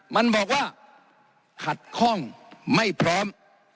มันบอกว่าขัดข้องไม่พร้อม